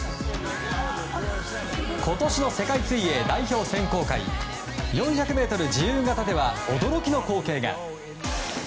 今年の世界水泳代表選考会４００ｍ自由形では驚きの光景が。